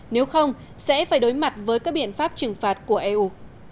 nếu không sẽ phải đối mặt với các biện pháp trừng phạt của eu